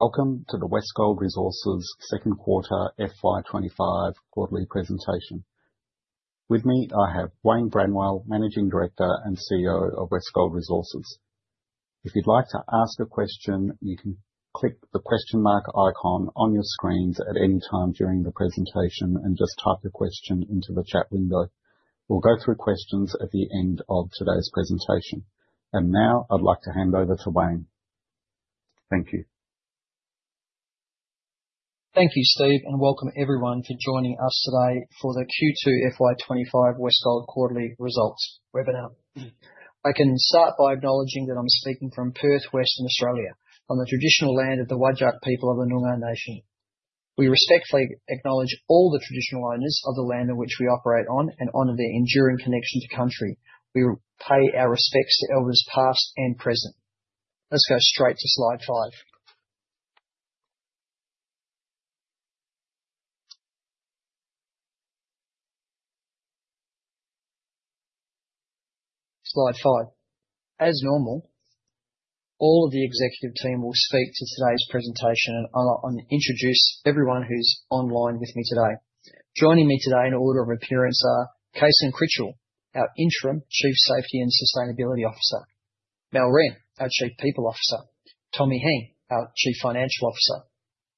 Welcome to the Westgold Resources second quarter FY25 quarterly presentation. With me, I have Wayne Bramwell, Managing Director and CEO of Westgold Resources. If you'd like to ask a question, you can click the question mark icon on your screens at any time during the presentation and just type your question into the chat window. We'll go through questions at the end of today's presentation, and now I'd like to hand over to Wayne. Thank you. Thank you, Steve, and welcome everyone for joining us today for the Q2 FY25 Westgold Quarterly Results webinar. I can start by acknowledging that I'm speaking from Perth, Western Australia, on the traditional land of the Whadjuk people of the Noongar Nation. We respectfully acknowledge all the traditional owners of the land on which we operate and honor their enduring connection to country. We pay our respects to elders past and present. Let's go straight to slide five. Slide five. As normal, all of the executive team will speak to today's presentation and introduce everyone who's online with me today. Joining me today in order of appearance are Kaisan Critchell, our Interim Chief Safety and Sustainability Officer; Mel Reyes, our Chief People Officer; Tommy Heng, our Chief Financial Officer;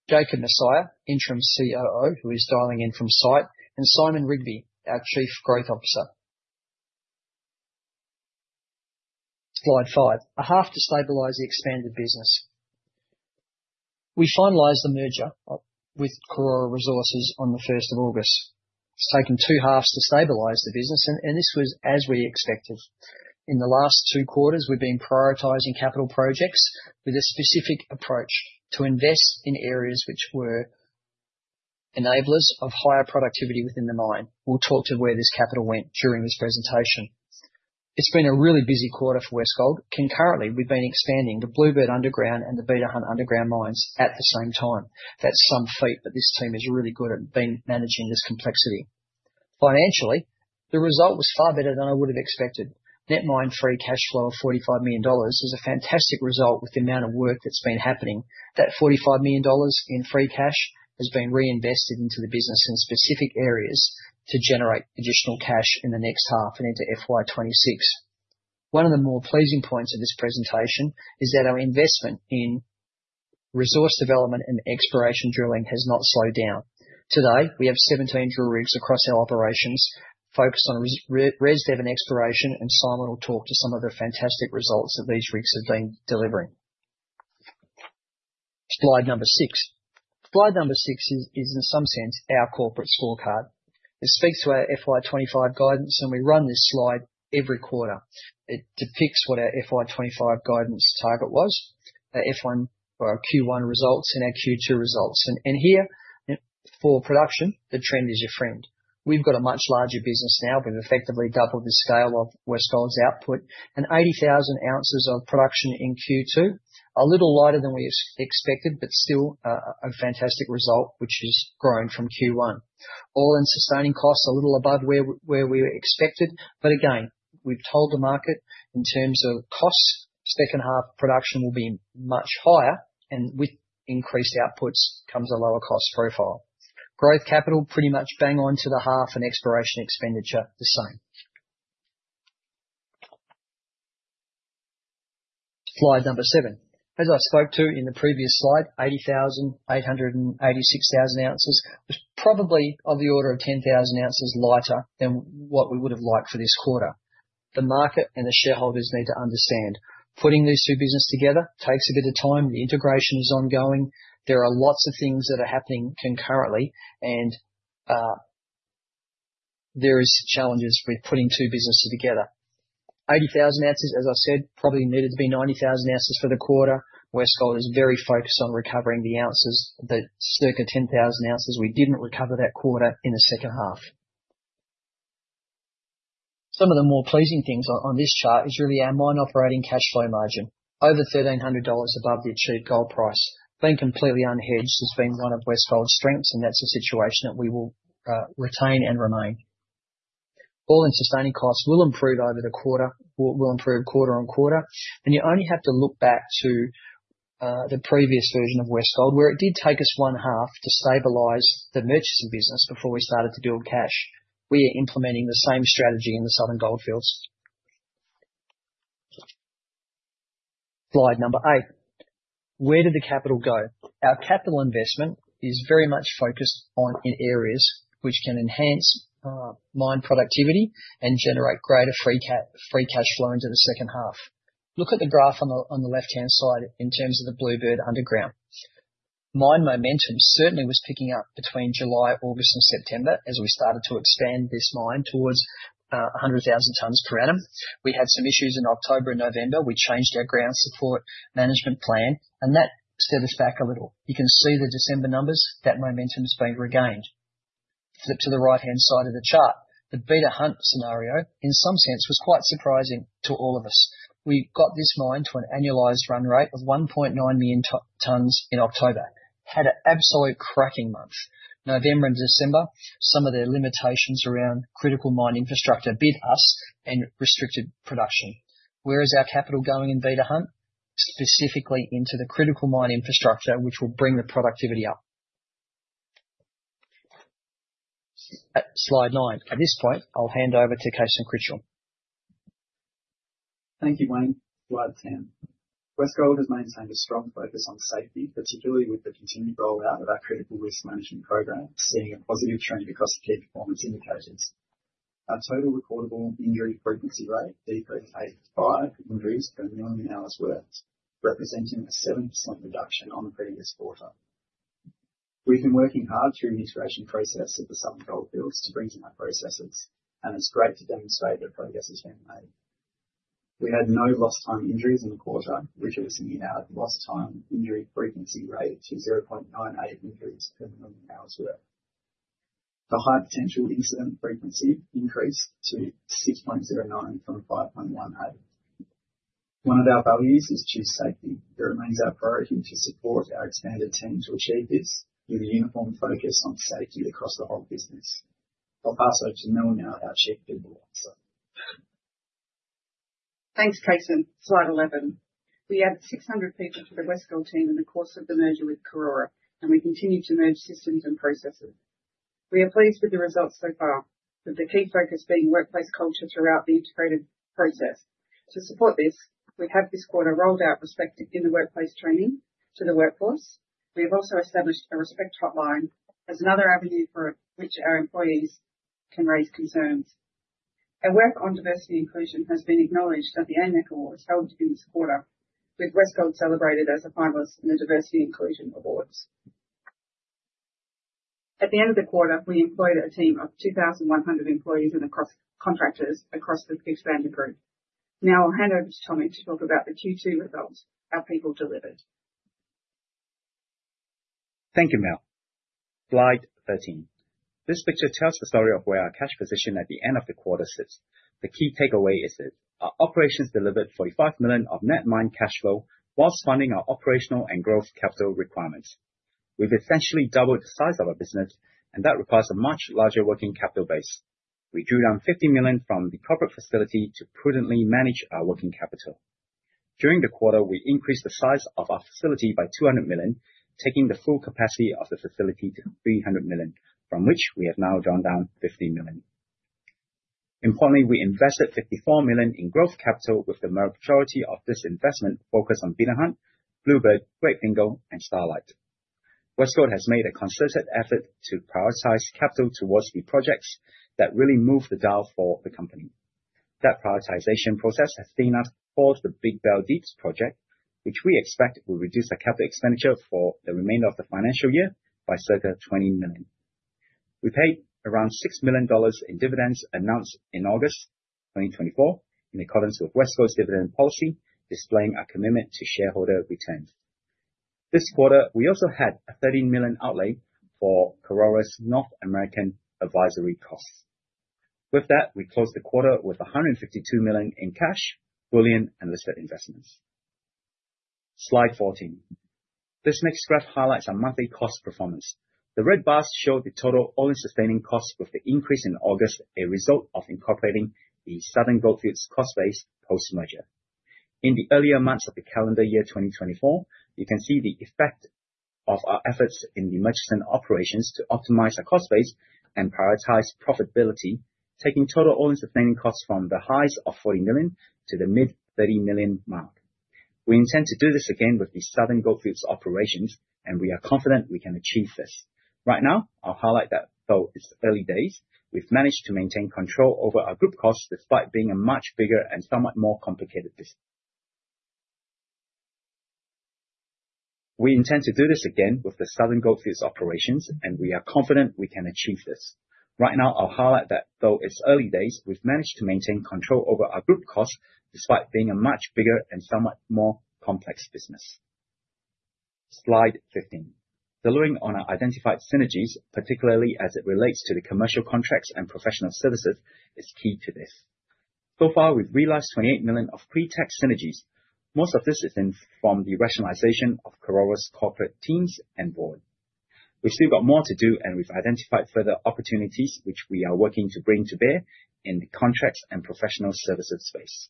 Jacob Macer, Interim COO, who is dialing in from site; and Simon Rigby, our Chief Growth Officer. Slide five. A half to stabilize the expanded business. We finalized the merger with Karora Resources on the 1st of August. It's taken two halves to stabilize the business, and this was as we expected. In the last two quarters, we've been prioritizing capital projects with a specific approach to invest in areas which were enablers of higher productivity within the mine. We'll talk to where this capital went during this presentation. It's been a really busy quarter for Westgold. Concurrently, we've been expanding the Bluebird Underground and the Beta Hunt Underground mines at the same time. That's some feat, but this team is really good at managing this complexity. Financially, the result was far better than I would have expected. Net Mine Cash Flow of 45 million dollars is a fantastic result with the amount of work that's been happening. That 45 million dollars in free cash has been reinvested into the business in specific areas to generate additional cash in the next half and into FY26. One of the more pleasing points of this presentation is that our investment in resource development and exploration drilling has not slowed down. Today, we have 17 drill rigs across our operations focused on res dev and exploration, and Simon will talk to some of the fantastic results that these rigs have been delivering. Slide number six. Slide number six is, in some sense, our corporate scorecard. It speaks to our FY25 guidance, and we run this slide every quarter. It depicts what our FY25 guidance target was, our Q1 results, and our Q2 results, and here, for production, the trend is your friend. We've got a much larger business now. We've effectively doubled the scale of Westgold's output and 80,000 ounces of production in Q2, a little lighter than we expected, but still a fantastic result, which has grown from Q1. All-in sustaining costs are a little above where we expected, but again, we've told the market in terms of costs, second half production will be much higher, and with increased outputs comes a lower cost profile. Growth capital pretty much bang on to the half and exploration expenditure the same. Slide number seven. As I spoke to in the previous slide, 80,886 ounces was probably of the order of 10,000 ounces lighter than what we would have liked for this quarter. The market and the shareholders need to understand putting these two businesses together takes a bit of time. The integration is ongoing. There are lots of things that are happening concurrently, and there are challenges with putting two businesses together. 80,000 ounces, as I said, probably needed to be 90,000 ounces for the quarter. Westgold is very focused on recovering the ounces, the circa 10,000 ounces. We didn't recover that quarter in the second half. Some of the more pleasing things on this chart is really our mine operating cash flow margin, over 1,300 dollars above the achieved gold price. Being completely unhedged has been one of Westgold's strengths, and that's a situation that we will retain and remain. All-in sustaining costs will improve over the quarter, will improve quarter on quarter, and you only have to look back to the previous version of Westgold, where it did take us one half to stabilize the purchasing business before we started to build cash. We are implementing the same strategy in the Southern Goldfields. Slide number eight. Where did the capital go? Our capital investment is very much focused on areas which can enhance mine productivity and generate greater free cash flow into the second half. Look at the graph on the left-hand side in terms of the Bluebird Underground. Mine momentum certainly was picking up between July, August, and September as we started to expand this mine towards 100,000 tons per annum. We had some issues in October and November. We changed our ground support management plan, and that steered us back a little. You can see the December numbers. That momentum has been regained. Flip to the right-hand side of the chart. The Beta Hunt scenario, in some sense, was quite surprising to all of us. We got this mine to an annualized run rate of 1.9 million tons in October. Had an absolute cracking month. November and December, some of the limitations around critical mine infrastructure bit us and restricted production. Where is our capital going in Beta Hunt? Specifically into the critical mine infrastructure, which will bring the productivity up. Slide nine. At this point, I'll hand over to Kaisan Critchell. Thank you, Wayne. Slide 10. Westgold has maintained a strong focus on safety, particularly with the continued rollout of our critical risk management program, seeing a positive trend across key performance indicators. Our total recordable injury frequency rate decreased by five injuries per million hours worked, representing a 7% reduction on the previous quarter. We've been working hard through the integration process of the Southern Goldfields to bring to our processes, and it's great to demonstrate the progress has been made. We had no lost-time injuries in the quarter, reducing our lost-time injury frequency rate to 0.98 injuries per million hours worked. The high potential incident frequency increased to 6.09 from 5.18. One of our values is chief safety. It remains our priority to support our expanded team to achieve this with a uniform focus on safety across the whole business. I'll pass over to Mel now, our Chief People Officer. Thanks, Kaisan. Slide 11. We added 600 people to the Westgold team in the course of the merger with Karora, and we continue to merge systems and processes. We are pleased with the results so far, with the key focus being workplace culture throughout the integrated process. To support this, we have this quarter rolled out respect in the workplace training to the workforce. We have also established a respect hotline as another avenue for which our employees can raise concerns. Our work on diversity inclusion has been acknowledged at the AMEC awards held in this quarter, with Westgold celebrated as a finalist in the diversity inclusion awards. At the end of the quarter, we employed a team of 2,100 employees and contractors across the expanded group. Now I'll hand over to Tommy to talk about the Q2 results, our people delivered. Thank you, Mel. Slide 13. This picture tells the story of where our cash position at the end of the quarter sits. The key takeaway is that our operations delivered 45 million of net mine cash flow while funding our operational and growth capital requirements. We've essentially doubled the size of our business, and that requires a much larger working capital base. We drew down 50 million from the corporate facility to prudently manage our working capital. During the quarter, we increased the size of our facility by 200 million, taking the full capacity of the facility to 300 million, from which we have now drawn down 50 million. Importantly, we invested 54 million in growth capital, with the majority of this investment focused on Beta Hunt, Bluebird, Great Fingall, and Starlight. Westgold has made a concerted effort to prioritize capital towards the projects that really move the dial for the company. That prioritization process has seen us forward the Big Bell Deeps project, which we expect will reduce our capital expenditure for the remainder of the financial year by circa 20 million. We paid around 6 million dollars in dividends announced in August 2024 in accordance with Westgold's dividend policy, displaying our commitment to shareholder returns. This quarter, we also had a 13 million outlay for Karora's North American advisory costs. With that, we closed the quarter with 152 million in cash, bullion, and listed investments. Slide 14. This next graph highlights our monthly cost performance. The red bars show the total All-In Sustaining Costs with the increase in August, a result of incorporating the Southern Goldfields cost base post-merger. In the earlier months of the calendar year 2024, you can see the effect of our efforts in the mergers and operations to optimize our cost base and prioritize profitability, taking total All-In Sustaining Costs from the highs of $40 million to the mid-$30 million mark. We intend to do this again with the Southern Goldfields operations, and we are confident we can achieve this. Right now, I'll highlight that though it's early days, we've managed to maintain control over our group costs despite being a much bigger and somewhat more complicated business. Slide 15. Delving on our identified synergies, particularly as it relates to the commercial contracts and professional services, is key to this. So far, we've realized 28 million of pre-tax synergies. Most of this is from the rationalization of Karora's corporate teams and board. We've still got more to do, and we've identified further opportunities, which we are working to bring to bear in the contracts and professional services space.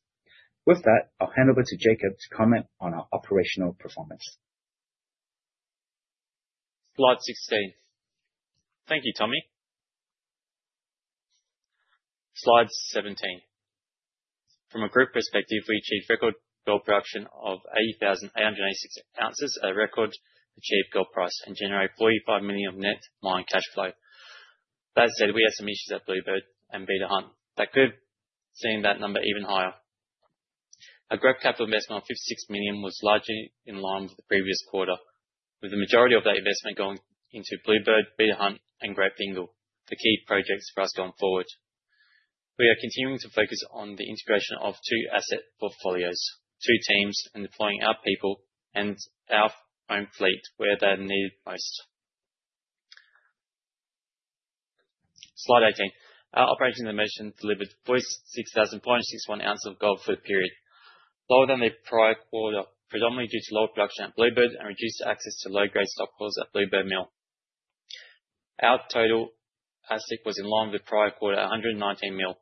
With that, I'll hand over to Jacob to comment on our operational performance. Slide 16. Thank you, Tommy. Slide 17. From a group perspective, we achieved record gold production of 80,886 ounces, a record achieved gold price, and generated 45 million of net mine cash flow. That said, we had some issues at Bluebird and Beta Hunt. That could make that number even higher. Our growth capital investment of 56 million was largely in line with the previous quarter, with the majority of that investment going into Bluebird, Beta Hunt, and Great Fingall, the key projects for us going forward. We are continuing to focus on the integration of two asset portfolios, two teams, and deploying our people and our own fleet where they're needed most. Slide 18. Our operations and Murchison delivered 46,461 ounces of gold for the period, lower than the prior quarter, predominantly due to low production at Bluebird and reduced access to low-grade stockpiles at Bluebird Mill. Our total AISC was in line with the prior quarter, 119 million.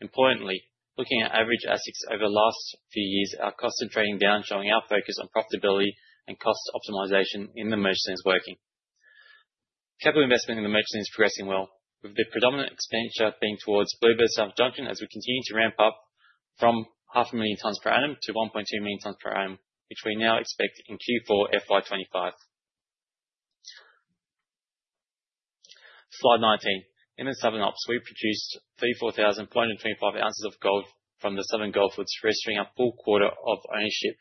Importantly, looking at average AISCs over the last few years, our costs are trending down, showing our focus on profitability and cost optimization in the Murchison working. Capital investment in the Murchison is progressing well, with the predominant expenditure being towards Bluebird South Junction as we continue to ramp up from 500,000 tons per annum to 1.2 million tons per annum, which we now expect in Q4 FY25. Slide 19. In the southern ops, we produced 34,425 ounces of gold from the Southern Goldfields, registering a full quarter of ownership.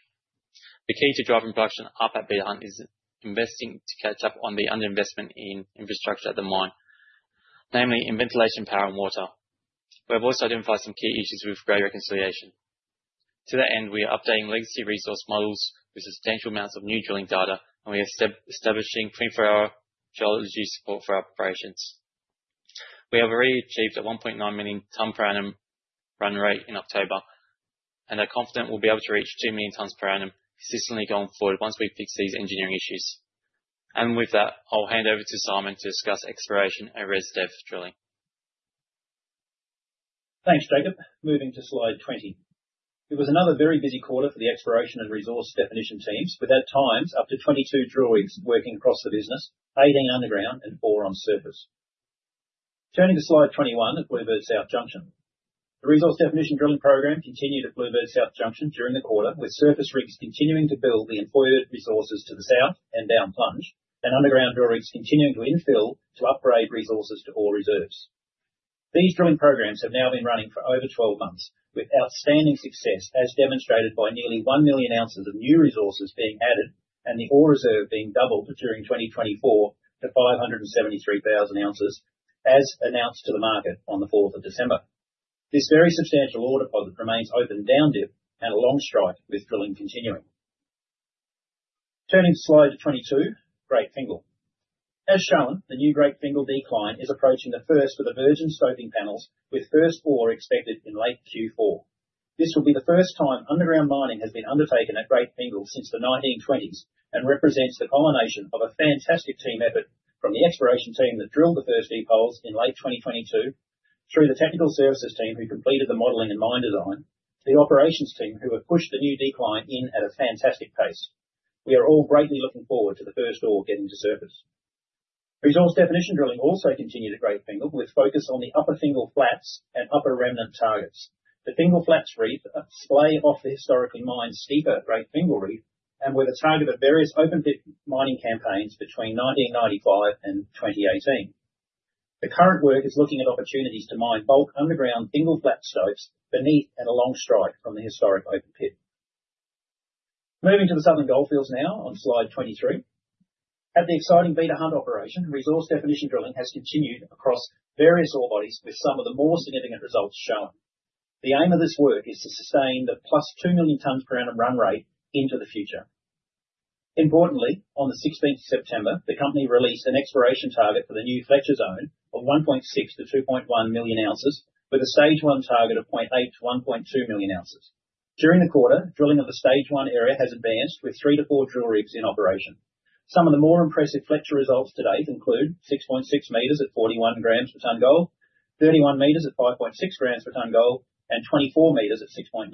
The key to driving production up at Beta Hunt is investing to catch up on the underinvestment in infrastructure at the mine, namely in ventilation, power, and water. We have also identified some key issues with grade reconciliation. To that end, we are updating legacy resource models with substantial amounts of new drilling data, and we are establishing 24-hour geology support for our operations. We have already achieved a 1.9 million ton per annum run rate in October, and are confident we'll be able to reach 2 million tons per annum consistently going forward once we fix these engineering issues, and with that, I'll hand over to Simon to discuss exploration and resource drilling. Thanks, Jacob. Moving to slide 20. It was another very busy quarter for the exploration and resource definition teams, with at times up to 22 drill rigs working across the business, 18 underground, and four on surface. Turning to slide 21 at Bluebird South Junction, the resource definition drilling program continued at Bluebird South Junction during the quarter, with surface rigs continuing to build the employed resources to the south and down plunge, and underground drill rigs continuing to infill to upgrade resources to ore reserves. These drilling programs have now been running for over 12 months, with outstanding success as demonstrated by nearly one million ounces of new resources being added and the ore reserve being doubled during 2024 to 573,000 ounces, as announced to the market on the 4th of December. This very substantial ore deposit remains open down dip and along strike with drilling continuing. Turning to slide 22, Great Fingall. As shown, the new Great Fingall decline is approaching the first with emergent stope panels, with first ore expected in late Q4. This will be the first time underground mining has been undertaken at Great Fingall since the 1920s and represents the culmination of a fantastic team effort from the exploration team that drilled the first deep holes in late 2022, through the technical services team who completed the modeling and mine design, to the operations team who have pushed the new decline in at a fantastic pace. We are all greatly looking forward to the first ore getting to surface. Resource definition drilling also continued at Great Fingall, with focus on the upper Fingall Flats and upper remnant targets. The Fingall Flats reef splay off the historically mined steeper Great Fingall reef and were the target of various open pit mining campaigns between 1995 and 2018. The current work is looking at opportunities to mine bulk underground Fingall Flats stopes beneath it along strike from the historic open pit. Moving to the Southern Goldfields now on slide 23. At the exciting Beta Hunt operation, resource definition drilling has continued across various ore bodies, with some of the more significant results shown. The aim of this work is to sustain the plus two million tons per annum run rate into the future. Importantly, on the 16th of September, the company released an exploration target for the new Fletcher Zone of 1.6-2.1 million ounces, with a stage one target of 0.8-1.2 million ounces. During the quarter, drilling of the stage one area has advanced with three to four drill rigs in operation. Some of the more impressive Fletcher results to date include 6.6 meters at 41 grams per ton gold, 31 meters at 5.6 grams per ton gold, and 24 meters at 6.9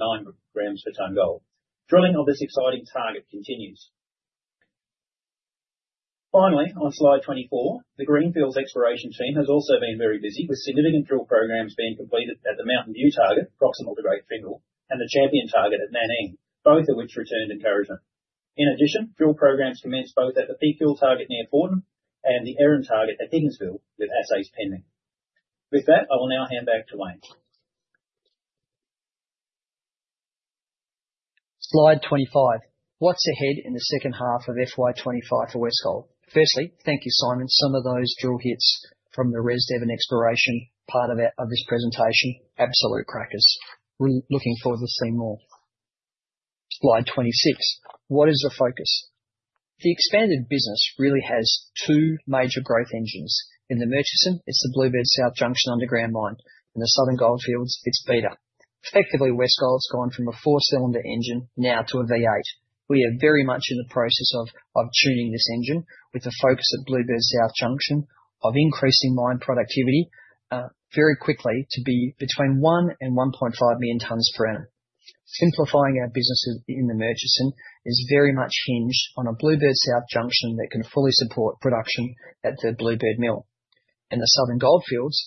grams per ton gold. Drilling of this exciting target continues. Finally, on slide 24, the Greenfields Exploration Team has also been very busy, with significant drill programs being completed at the Mountain View target proximal to Great Fingall and the Champion target at Nannine, both of which returned encouragement. In addition, drill programs commenced both at the Peak Hill target near Fortnum and the Erons target at Higginsville, with assays pending. With that, I will now hand back to Wayne. Slide 25. What's ahead in the second half of FY25 for Westgold? Firstly, thank you, Simon. Some of those drill hits from the resource and exploration part of this presentation, absolute crackers. We're looking forward to seeing more. Slide 26. What is the focus? The expanded business really has two major growth engines. In the Murchison, it's the Bluebird South Junction underground mine. In the Southern Goldfields, it's Beta. Effectively, Westgold's gone from a four-cylinder engine now to a V8. We are very much in the process of tuning this engine with the focus at Bluebird South Junction of increasing mine productivity very quickly to be between one and 1.5 million tons per annum. Simplifying our business in the Murchison is very much hinged on a Bluebird South Junction that can fully support production at the Bluebird Mill. In the Southern Goldfields,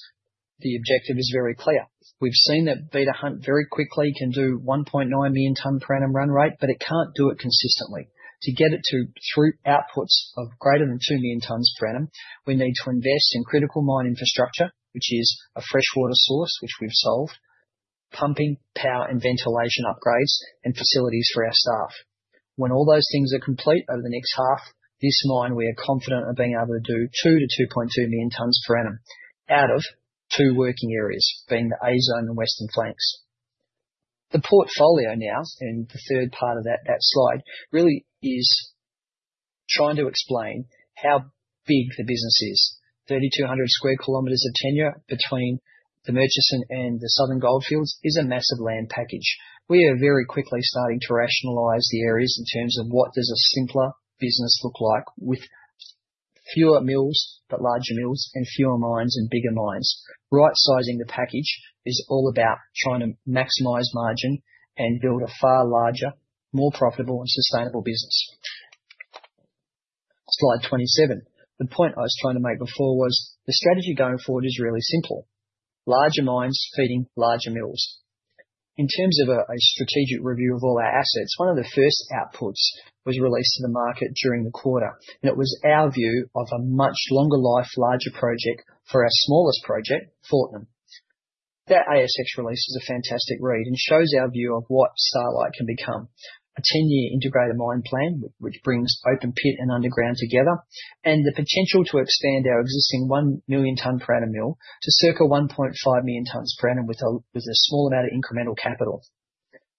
the objective is very clear. We've seen that Beta Hunt very quickly can do 1.9 million tons per annum run rate, but it can't do it consistently. To get it to throughput outputs of greater than 2 million tons per annum, we need to invest in critical mine infrastructure, which is a freshwater source, which we've solved, pumping, power, and ventilation upgrades, and facilities for our staff. When all those things are complete over the next half, this mine, we are confident of being able to do 2 to 2.2 million tons per annum out of two working areas, being the A Zone and Western Flanks. The portfolio now in the third part of that slide really is trying to explain how big the business is. 3,200 square kilometers of tenure between the Murchison and the Southern Goldfields is a massive land package. We are very quickly starting to rationalize the areas in terms of what does a simpler business look like with fewer mills, but larger mills, and fewer mines and bigger mines. Right-sizing the package is all about trying to maximize margin and build a far larger, more profitable, and sustainable business. Slide 27. The point I was trying to make before was the strategy going forward is really simple. Larger mines feeding larger mills. In terms of a strategic review of all our assets, one of the first outputs was released to the market during the quarter, and it was our view of a much longer life, larger project for our smallest project, Fortnum. That ASX release is a fantastic read and shows our view of what Starlight can become, a 10-year integrated mine plan, which brings open pit and underground together, and the potential to expand our existing 1 million ton per annum mill to circa 1.5 million tons per annum with a small amount of incremental capital.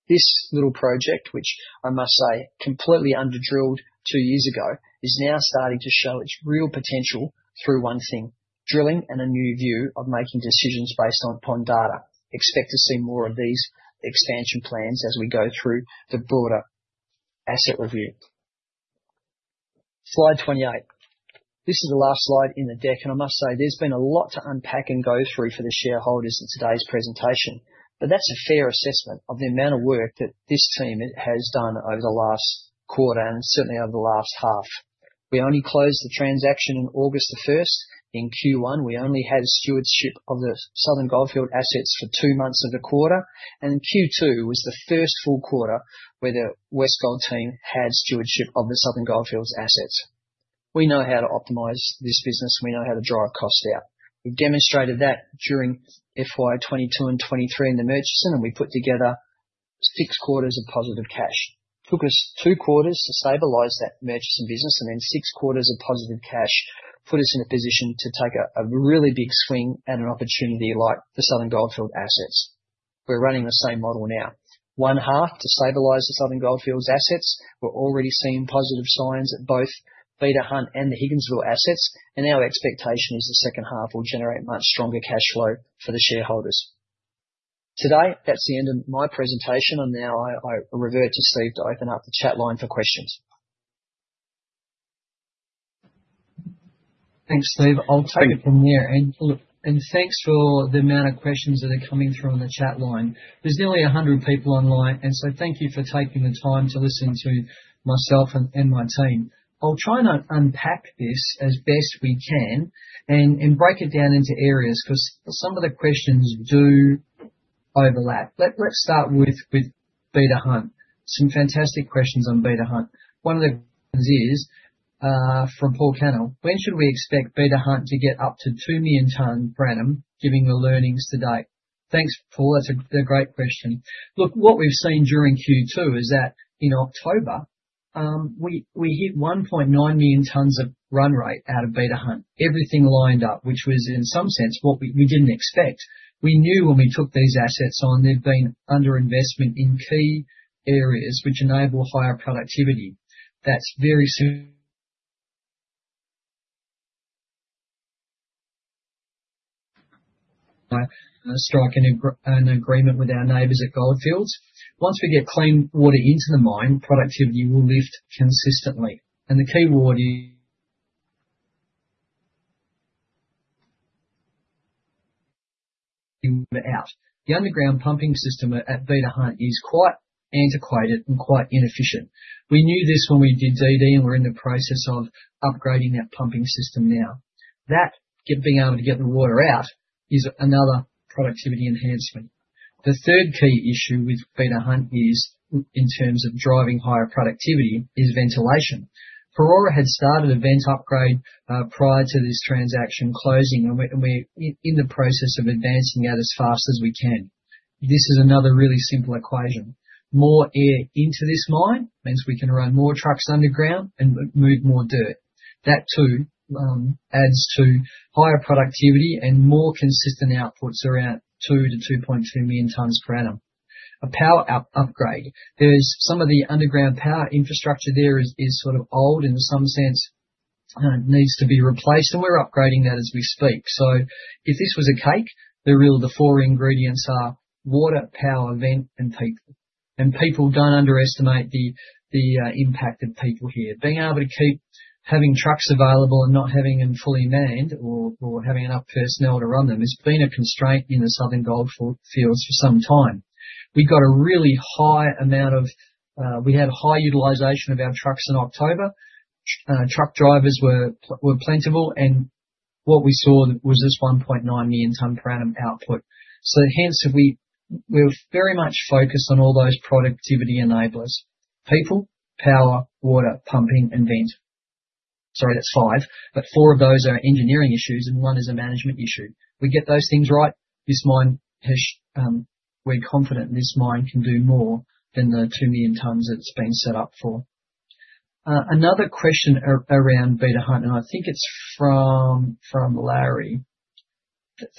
This little project, which I must say, completely underdrilled two years ago, is now starting to show its real potential through one thing, drilling and a new view of making decisions based upon data. Expect to see more of these expansion plans as we go through the broader asset review. Slide 28. This is the last slide in the deck, and I must say there's been a lot to unpack and go through for the shareholders in today's presentation, but that's a fair assessment of the amount of work that this team has done over the last quarter and certainly over the last half. We only closed the transaction on August 1st in Q1. We only had stewardship of the Southern Goldfields assets for two months of the quarter, and Q2 was the first full quarter where the Westgold team had stewardship of the Southern Goldfields assets. We know how to optimize this business. We know how to drive costs out. We demonstrated that during FY 2022 and 2023 in the Murchison, and we put together six quarters of positive cash. It took us two quarters to stabilize that Murchison business, and then six quarters of positive cash put us in a position to take a really big swing at an opportunity like the Southern Goldfields assets. We're running the same model now. One half to stabilize the Southern Goldfields assets. We're already seeing positive signs at both Beta Hunt and the Higginsville assets, and our expectation is the second half will generate much stronger cash flow for the shareholders. Today, that's the end of my presentation, and now I revert to Steve to open up the chat line for questions. Thanks, Steve. I'll take it from there. And thanks for the amount of questions that are coming through on the chat line. There's nearly 100 people online, and so thank you for taking the time to listen to myself and my team. I'll try not to unpack this as best we can and break it down into areas because some of the questions do overlap. Let's start with Beta Hunt. Some fantastic questions on Beta Hunt. One of the questions is from Paul Cannell. When should we expect Beta Hunt to get up to 2 million ton per annum, given the learnings to date? Thanks, Paul. That's a great question. Look, what we've seen during Q2 is that in October, we hit 1.9 million tons of run rate out of Beta Hunt. Everything lined up, which was in some sense what we didn't expect. We knew when we took these assets on, there'd been underinvestment in key areas which enable higher productivity. That's very soon. Strike an agreement with our neighbors at Gold Fields. Once we get clean water into the mine, productivity will lift consistently. And the key word is out. The underground pumping system at Beta Hunt is quite antiquated and quite inefficient. We knew this when we did DD, and we're in the process of upgrading that pumping system now. That being able to get the water out is another productivity enhancement. The third key issue with Beta Hunt in terms of driving higher productivity is ventilation. Karora had started a vent upgrade prior to this transaction closing, and we're in the process of advancing out as fast as we can. This is another really simple equation. More air into this mine means we can run more trucks underground and move more dirt. That too adds to higher productivity and more consistent outputs around two to 2.2 million tons per annum. A power upgrade. There's some of the underground power infrastructure there is sort of old in some sense and needs to be replaced, and we're upgrading that as we speak. So if this was a cake, the real four ingredients are water, power, vent, and people. People don't underestimate the impact of people here. Being able to keep having trucks available and not having them fully manned or having enough personnel to run them has been a constraint in the Southern Goldfields for some time. We've got a really high utilization of our trucks in October. Truck drivers were plentiful, and what we saw was this 1.9 million ton per annum output. So hence, we're very much focused on all those productivity enablers: people, power, water, pumping, and vent. Sorry, that's five, but four of those are engineering issues, and one is a management issue. We get those things right. This mine, we're confident this mine can do more than the two million tons that it's been set up for. Another question around Beta Hunt, and I think it's from Larry.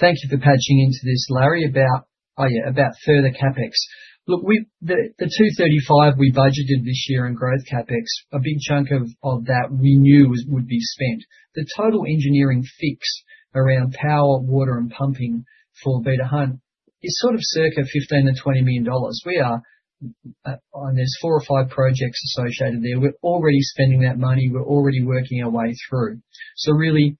Thank you for patching into this, Larry, about further CapEx. Look, the 235 we budgeted this year in growth CapEx, a big chunk of that we knew would be spent. The total engineering fix around power, water, and pumping for Beta Hunt is sort of circa 15 million-20 million dollars. There's four or five projects associated there. We're already spending that money. We're already working our way through. So really,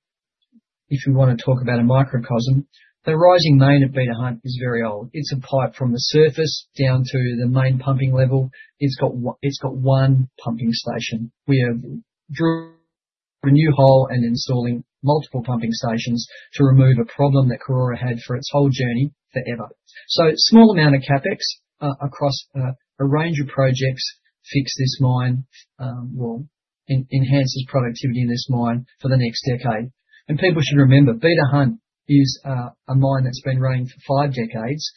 if you want to talk about a microcosm, the rising main at Beta Hunt is very old. It's a pipe from the surface down to the main pumping level. It's got one pumping station. We have drilled a new hole and installed multiple pumping stations to remove a problem that Karora had for its whole journey forever. So a small amount of CapEx across a range of projects fixed this mine, will enhance its productivity in this mine for the next decade. And people should remember, Beta Hunt is a mine that's been running for five decades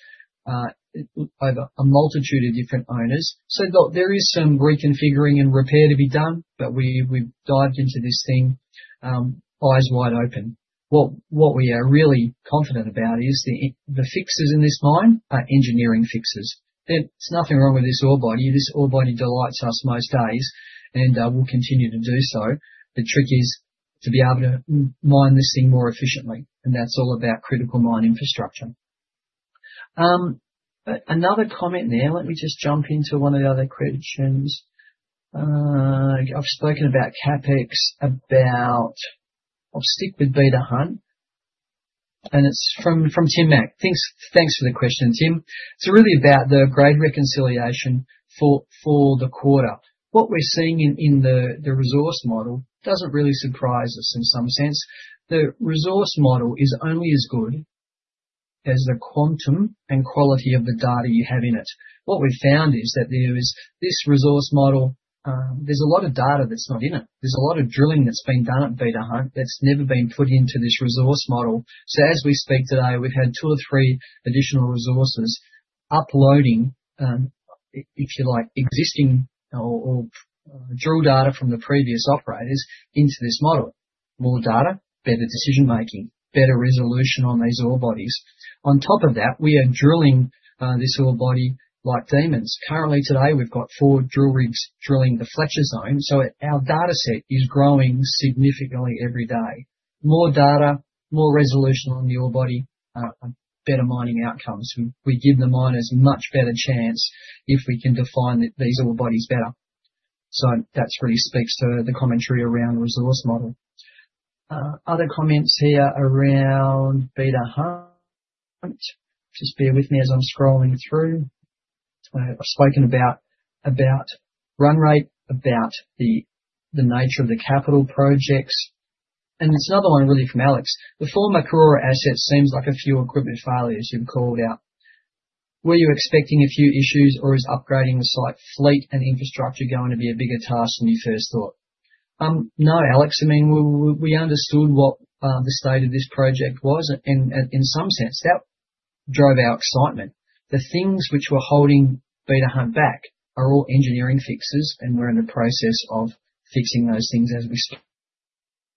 over a multitude of different owners. So there is some reconfiguring and repair to be done, but we've dived into this thing eyes wide open. What we are really confident about is the fixes in this mine are engineering fixes. There's nothing wrong with this ore body. This ore body delights us most days and will continue to do so. The trick is to be able to mine this thing more efficiently, and that's all about critical mine infrastructure. Another comment there. Let me just jump into one of the other questions. I've spoken about CapEx, about. I'll stick with Beta Hunt, and it's from Tim Mack. Thanks for the question, Tim. It's really about the grade reconciliation for the quarter. What we're seeing in the resource model doesn't really surprise us in some sense. The resource model is only as good as the quantum and quality of the data you have in it. What we've found is that there is this resource model. There's a lot of data that's not in it. There's a lot of drilling that's been done at Beta Hunt that's never been put into this resource model. So as we speak today, we've had two or three additional resources uploading, if you like, existing or drill data from the previous operators into this model. More data, better decision-making, better resolution on these ore bodies. On top of that, we are drilling this ore body like demons. Currently today, we've got four drill rigs drilling the Fletcher Zone, so our data set is growing significantly every day. More data, more resolution on the ore body, better mining outcomes. We give the miners much better chance if we can define these ore bodies better. So that really speaks to the commentary around the resource model. Other comments here around Beta Hunt. Just bear with me as I'm scrolling through. I've spoken about run rate, about the nature of the capital projects, and there's another one really from Alex. The former Karora asset seems like a few equipment failures you've called out. Were you expecting a few issues, or is upgrading the site fleet and infrastructure going to be a bigger task than you first thought? No, Alex. I mean, we understood what the state of this project was, and in some sense, that drove our excitement. The things which were holding Beta Hunt back are all engineering fixes, and we're in the process of fixing those things as we start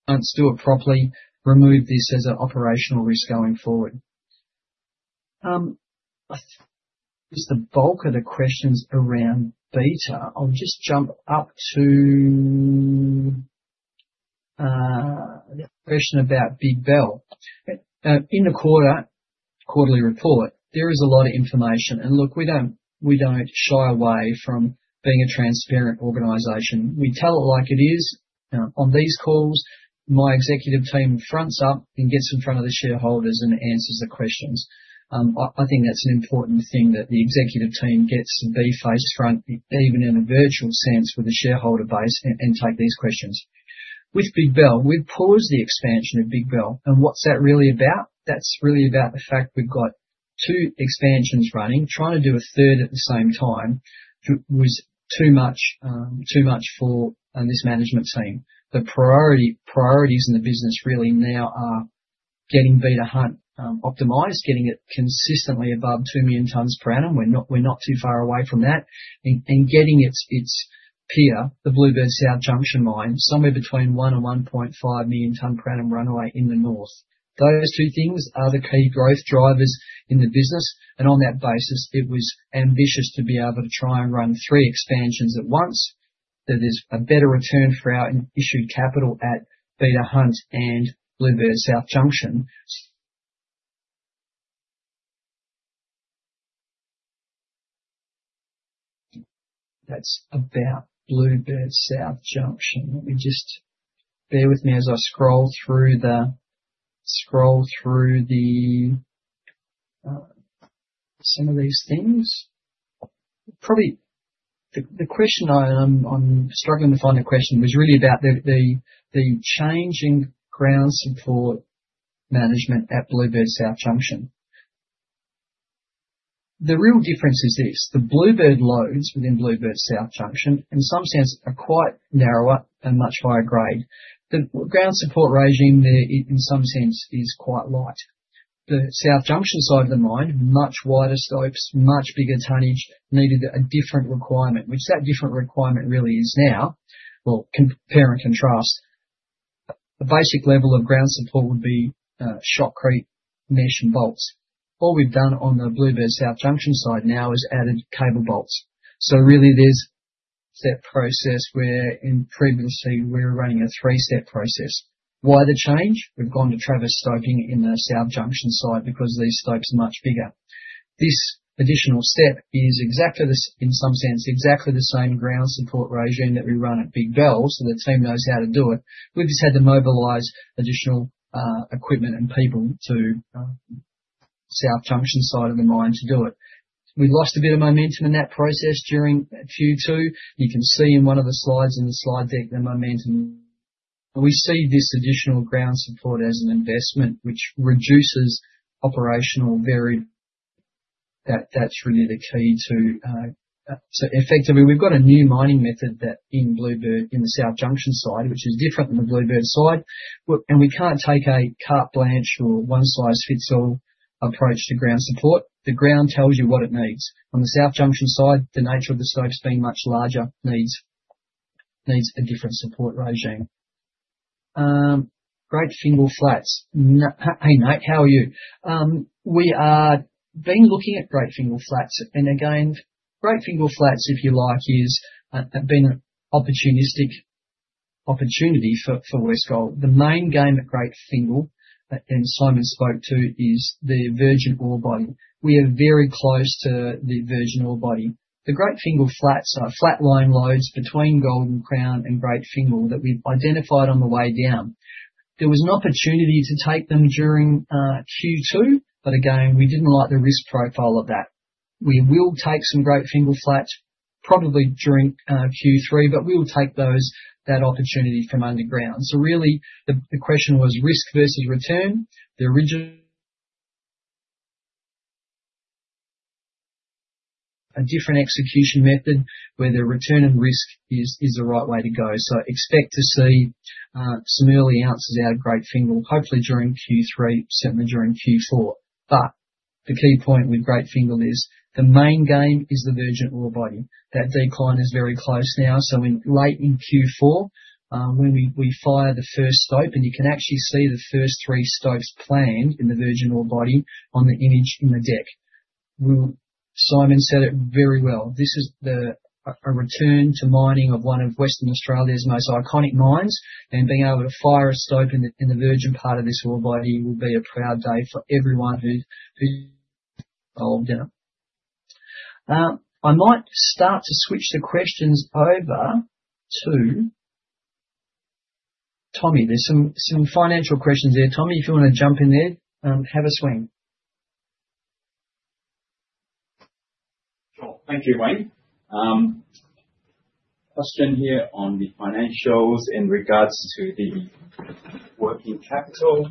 to do it properly, remove this as an operational risk going forward. Just the bulk of the questions around Beta. I'll just jump up to the question about Big Bell. In the quarterly report, there is a lot of information. And look, we don't shy away from being a transparent organization. We tell it like it is. On these calls, my executive team fronts up and gets in front of the shareholders and answers the questions. I think that's an important thing that the executive team gets to be face front, even in a virtual sense with the shareholder base, and take these questions. With Big Bell, we've paused the expansion of Big Bell. And what's that really about? That's really about the fact we've got two expansions running. Trying to do a third at the same time was too much for this management team. The priorities in the business really now are getting Beta Hunt optimized, getting it consistently above two million tons per annum. We're not too far away from that. Getting its peer, the Bluebird South Junction mine, somewhere between one and 1.5 million tonnes per annum runway in the north. Those two things are the key growth drivers in the business. On that basis, it was ambitious to be able to try and run three expansions at once. There's a better return for our issued capital at Beta Hunt and Bluebird South Junction. That's about Bluebird South Junction. Bear with me as I scroll through some of these things. The question I'm struggling to find was really about the changing ground support management at Bluebird South Junction. The real difference is this. The Bluebird lodes within Bluebird South Junction, in some sense, are quite narrower and much higher grade. The ground support regime there, in some sense, is quite light. The South Junction side of the mine, much wider slopes, much bigger tonnage needed a different requirement, which that different requirement really is now. Compare and contrast. The basic level of ground support would be shotcrete mesh and bolts. All we've done on the Bluebird South Junction side now is added cable bolts. So really, there's a step process where in previously, we were running a three-step process. Why the change? We've gone to transverse stoping in the South Junction side because these stopes are much bigger. This additional step is, in some sense, exactly the same ground support regime that we run at Big Bell so the team knows how to do it. We've just had to mobilize additional equipment and people to the South Junction side of the mine to do it. We lost a bit of momentum in that process during Q2. You can see in one of the slides in the slide deck the momentum. We see this additional ground support as an investment, which reduces operational very. That's really the key to so effectively, we've got a new mining method in Bluebird in the South Junction side, which is different than the Bluebird side. We can't take a carte blanche or one-size-fits-all approach to ground support. The ground tells you what it needs. On the South Junction side, the nature of the stoping being much larger needs a different support regime. Great Fingall Flats. Hey, Nate. How are you? We are looking at Great Fingall Flats. Again, Great Fingall Flats, if you like, has been an opportunistic opportunity for Westgold. The main game at Great Fingall that Simon spoke to is the virgin ore body. We are very close to the virgin ore body. The Great Fingall Flats are flat-lying lodes between Golden Crown and Great Fingall that we've identified on the way down. There was an opportunity to take them during Q2, but again, we didn't like the risk profile of that. We will take some Great Fingall Flats probably during Q3, but we will take that opportunity from underground. So really, the question was risk versus return. The original and different execution method where the return and risk is the right way to go. So expect to see some early ounces out of Great Fingall, hopefully during Q3, certainly during Q4. But the key point with Great Fingall is the main game is the virgin ore body. That decline is very close now. So late in Q4, when we fire the first stope, and you can actually see the first three stopes planned in the virgin ore body on the image in the deck. Simon said it very well. This is a return to mining of one of Western Australia's most iconic mines, and being able to fire a stope in the virgin part of this ore body will be a proud day for everyone who's involved in it. I might start to switch the questions over to Tommy. There's some financial questions there. Tommy, if you want to jump in there, have a swing. Sure. Thank you, Wayne. Question here on the financials in regards to the working capital.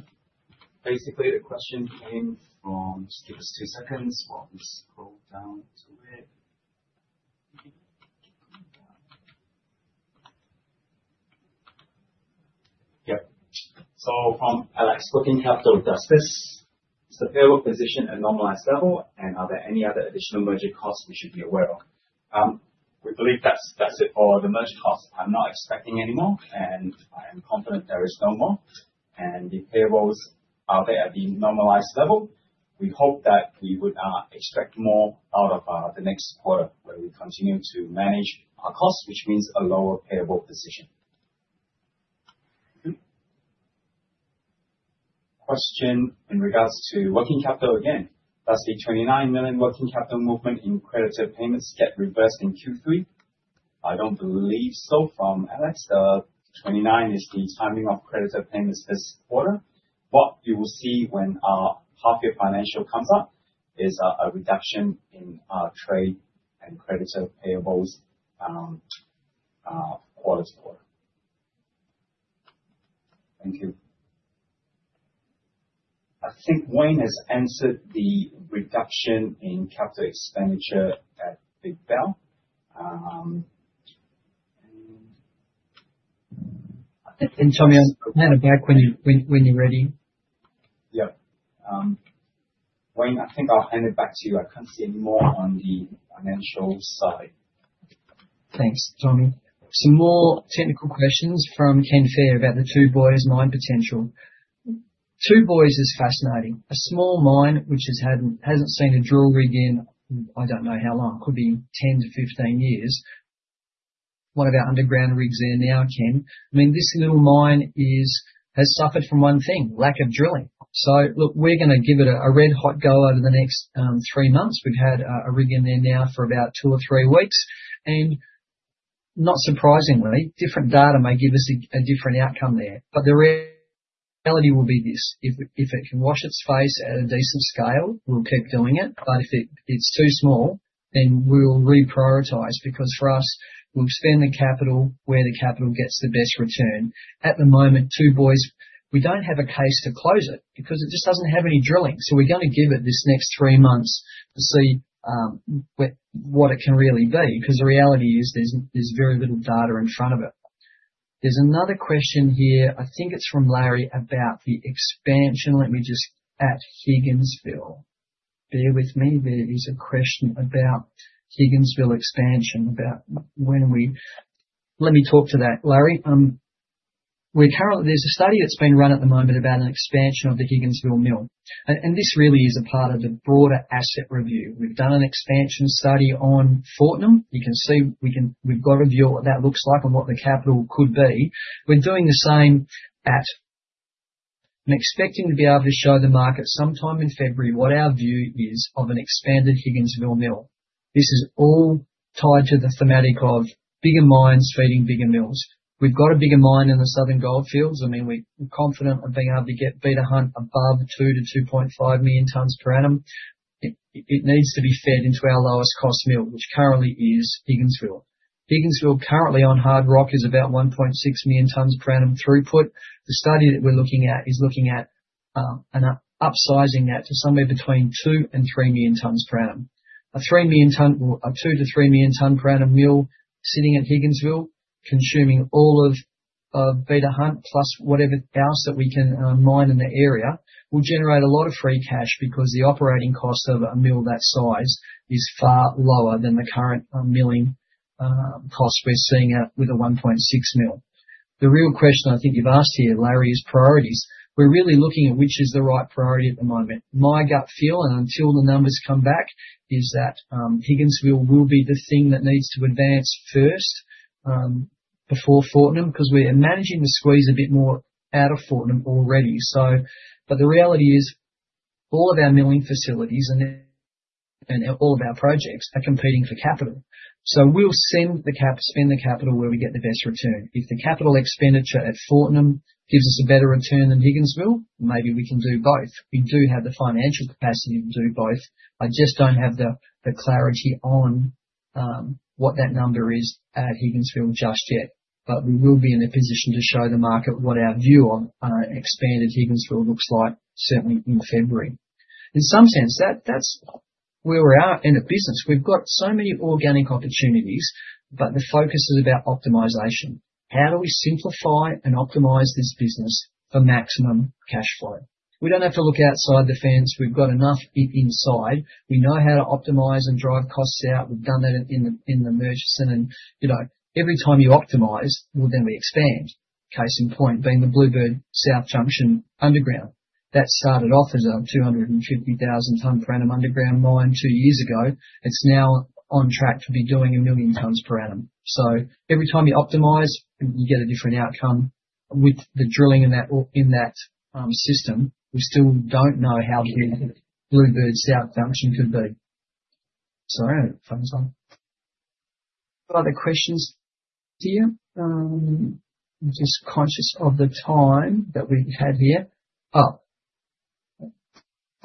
Basically, the question came from just give us two seconds while we scroll down to it. Yep. From Alex, working capital, does this payable position at normalized level, and are there any other additional merger costs we should be aware of? We believe that's it for the merger costs. I'm not expecting any more, and I am confident there is no more. The payables are there at the normalized level. We hope that we would extract more out of the next quarter where we continue to manage our costs, which means a lower payable position. Question in regards to working capital. Again, does the 29 million working capital movement in creditor payments get reversed in Q3? I don't believe so from Alex. The 29 is the timing of creditor payments this quarter. What you will see when half-year financials come up is a reduction in trade and creditor payables quarter to quarter. Thank you. I think Wayne has answered the reduction in capital expenditure at Big Bell, and Tommy, I'll hand it back when you're ready. Yep. Wayne, I think I'll hand it back to you. I can't see any more on the financial side. Thanks, Tommy. Some more technical questions from Ken Fair about the Two Boys mine potential. Two Boys is fascinating. A small mine which hasn't seen a drill rig in, I don't know how long, could be 10-15 years. One of our underground rigs there now, Ken. I mean, this little mine has suffered from one thing, lack of drilling. So look, we're going to give it a red-hot go over the next three months. We've had a rig in there now for about two or three weeks. And not surprisingly, different data may give us a different outcome there. But the reality will be this. If it can wash its face at a decent scale, we'll keep doing it. But if it's too small, then we'll reprioritize because for us, we'll spend the capital where the capital gets the best return. At the moment, Two Boys, we don't have a case to close it because it just doesn't have any drilling. So we're going to give it this next three months to see what it can really be because the reality is there's very little data in front of it. There's another question here. I think it's from Larry about the expansion. Bear with me. There is a question about Higginsville expansion. Let me talk to that, Larry. There's a study that's been run at the moment about an expansion of the Higginsville mill, and this really is a part of the broader asset review. We've done an expansion study on Fortnum. You can see we've got a view of what that looks like and what the capital could be. We're doing the same at. I'm expecting to be able to show the market sometime in February what our view is of an expanded Higginsville mill. This is all tied to the thematic of bigger mines feeding bigger mills. We've got a bigger mine in the Southern Goldfields. I mean, we're confident of being able to get Beta Hunt above 2-2.5 million tons per annum. It needs to be fed into our lowest cost mill, which currently is Higginsville. Higginsville currently on Hard Rock is about 1.6 million tons per annum throughput. The study that we're looking at is looking at upsizing that to somewhere between 2 and 3 million tons per annum. A two to three million ton per annum mill sitting at Higginsville, consuming all of Beta Hunt plus whatever else that we can mine in the area, will generate a lot of free cash because the operating cost of a mill that size is far lower than the current milling costs we're seeing with a 1.6 mill. The real question I think you've asked here, Larry, is priorities. We're really looking at which is the right priority at the moment. My gut feel, and until the numbers come back, is that Higginsville will be the thing that needs to advance first before Fortnum because we're managing the squeeze a bit more out of Fortnum already. But the reality is all of our milling facilities and all of our projects are competing for capital. So we'll spend the capital where we get the best return. If the capital expenditure at Fortnum gives us a better return than Higginsville, maybe we can do both. We do have the financial capacity to do both. I just don't have the clarity on what that number is at Higginsville just yet. But we will be in a position to show the market what our view of expanded Higginsville looks like, certainly in February. In some sense, that's where we're at in the business. We've got so many organic opportunities, but the focus is about optimization. How do we simplify and optimize this business for maximum cash flow? We don't have to look outside the fence. We've got enough inside. We know how to optimize and drive costs out. We've done that in the merger. And every time you optimize, well, then we expand. Case in point being the Bluebird South Junction underground. That started off as a 250,000 tons per annum underground mine two years ago. It's now on track to be doing a million tons per annum. So every time you optimize, you get a different outcome. With the drilling in that system, we still don't know how big Bluebird South Junction could be. Sorry. Other questions here? I'm just conscious of the time that we've had here.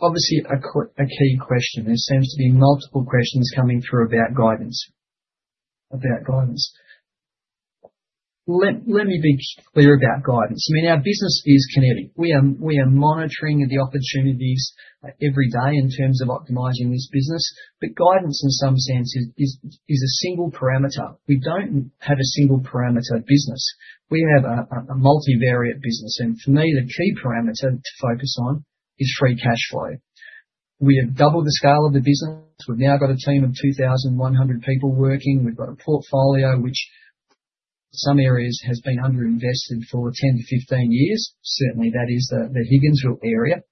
Obviously, a key question. There seems to be multiple questions coming through about guidance. Let me be clear about guidance. I mean, our business is kinetic. We are monitoring the opportunities every day in terms of optimizing this business. But guidance, in some sense, is a single parameter. We don't have a single parameter business. We have a multivariate business. And for me, the key parameter to focus on is free cash flow. We have doubled the scale of the business. We've now got a team of 2,100 people working. We've got a portfolio which, in some areas, has been underinvested for 10-15 years. Certainly, that is the Higginsville area.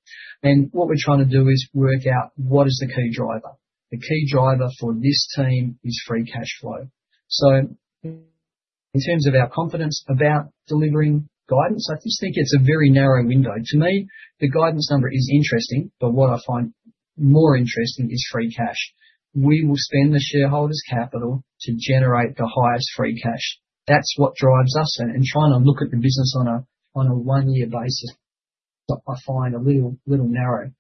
And what we're trying to do is work out what is the key driver. The key driver for this team is free cash flow. So in terms of our confidence about delivering guidance, I just think it's a very narrow window. To me, the guidance number is interesting, but what I find more interesting is free cash. We will spend the shareholders' capital to generate the highest free cash. That's what drives us in trying to look at the business on a one-year basis. I find a little narrow.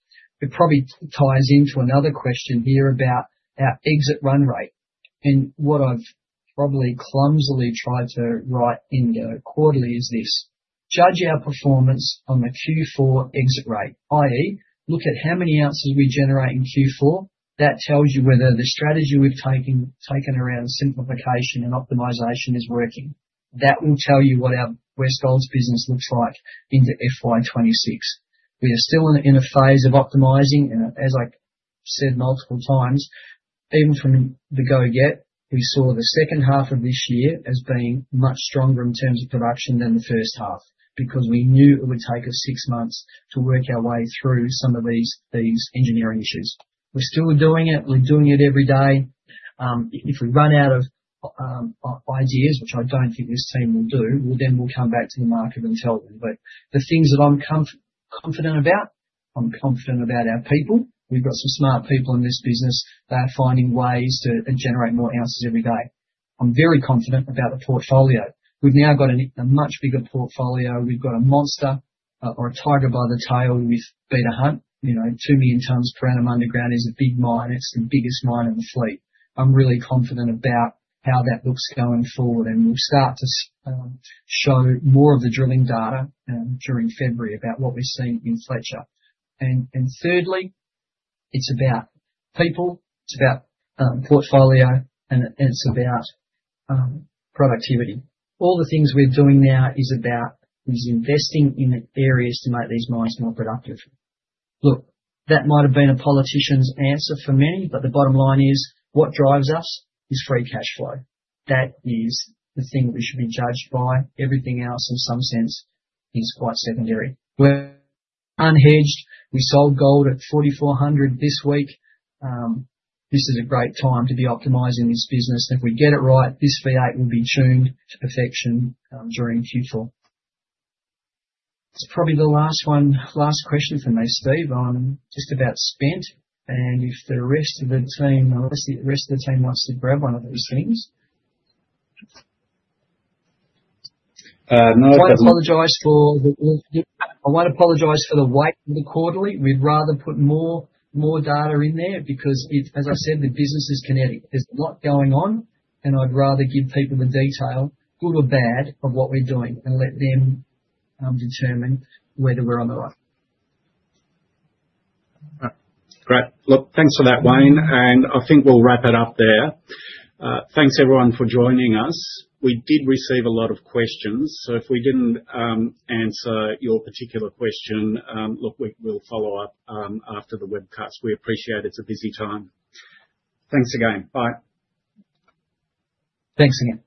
It probably ties into another question here about our exit run rate. What I've probably clumsily tried to write in quarterly is this: judge our performance on the Q4 exit rate, i.e., look at how many ounces we generate in Q4. That tells you whether the strategy we've taken around simplification and optimization is working. That will tell you what our Westgold's business looks like into FY26. We are still in a phase of optimizing. And as I said multiple times, even from the get-go we saw the second half of this year as being much stronger in terms of production than the first half because we knew it would take us six months to work our way through some of these engineering issues. We're still doing it. We're doing it every day. If we run out of ideas, which I don't think this team will do, well, then we'll come back to the market and tell them. But the things that I'm confident about, I'm confident about our people. We've got some smart people in this business. They're finding ways to generate more ounces every day. I'm very confident about the portfolio. We've now got a much bigger portfolio. We've got a monster or a tiger by the tail with Beta Hunt. 2 million tons per annum underground is a big mine. It's the biggest mine in the fleet. I'm really confident about how that looks going forward. And we'll start to show more of the drilling data during February about what we've seen in Fletcher. And thirdly, it's about people. It's about portfolio. And it's about productivity. All the things we're doing now is investing in areas to make these mines more productive. Look, that might have been a politician's answer for many, but the bottom line is what drives us is free cash flow. That is the thing we should be judged by. Everything else, in some sense, is quite secondary. We're unhedged. We sold gold at 4,400 this week. This is a great time to be optimizing this business. If we get it right, this V8 will be tuned to perfection during Q4. That's probably the last question for me, Steve. I'm just about spent. And if the rest of the team wants to grab one of these things. I want to apologize for the wait for the quarterly. We'd rather put more data in there because, as I said, the business is kinetic. There's a lot going on. And I'd rather give people the detail, good or bad, of what we're doing and let them determine whether we're on the right. Great. Look, thanks for that, Wayne. And I think we'll wrap it up there. Thanks, everyone, for joining us. We did receive a lot of questions. So if we didn't answer your particular question, look, we'll follow up after the webcast. We appreciate it's a busy time. Thanks again. Bye. Thanks again.